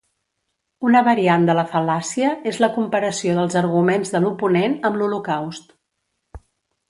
Una variant de la fal·làcia és la comparació dels arguments de l'oponent amb l'Holocaust.